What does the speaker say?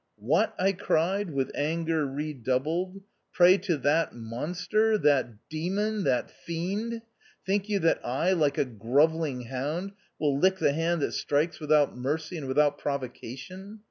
" What," I cried, with anger redoubled, " pray to that monster, that demon, that fiend 1 Think you that I, like a grovelling hound, will lick the hand that strikes without mercy and without provocation